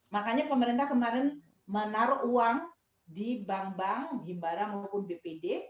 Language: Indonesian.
makanya pemerintah kemarin menaruh uang di bank bank himbara maupun bpd